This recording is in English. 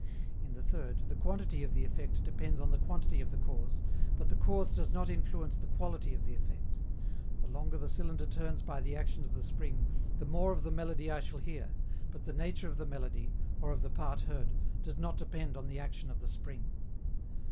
In the third, the quantity of the effect depends on the quantity of the cause, but the cause does not influence the quality of the effect: the longer the cylinder turns by the action of the spring, the more of the melody I shall hear, but the nature of the melody, or of the part heard, does not depend on the action of the spring.